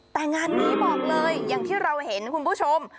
แต่งานนี้บอกเลยอย่างที่เราเห็นคุณผู้ชม